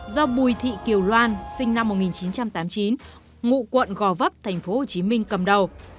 do bùi thị kiều loan sinh năm một nghìn chín trăm tám mươi chín ngụ quận gò vấp tp hcm cầm đầu